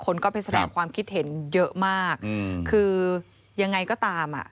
คนก็ไปแสดงความคิดเห็นเยอะมากอืมคือยังไงก็ตามอ่ะ